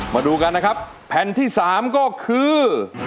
มาดูกันนะครับแผ่นที่๓ก็คือ